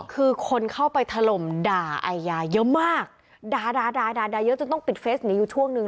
คือคนเข้าไปถล่มด่าไอยาเยอะมากด่าด่าเยอะจนต้องปิดเฟสหนีอยู่ช่วงนึง